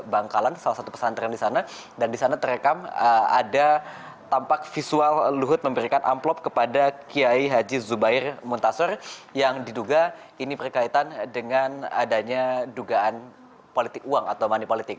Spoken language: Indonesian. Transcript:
bangkalan salah satu pesantren di sana dan di sana terekam ada tampak visual luhut memberikan amplop kepada kiai haji zubair muntasor yang diduga ini berkaitan dengan adanya dugaan politik uang atau manipolitik